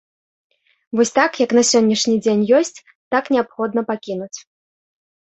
Вось так, як на сённяшні дзень ёсць, так неабходна пакінуць.